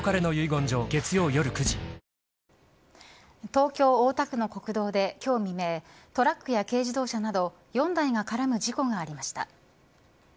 東京大田区の国道で今日未明トラックや軽自動車など４台が絡む事故がありました。